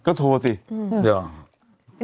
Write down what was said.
ก็โทรสิเดี๋ยวอ่ะ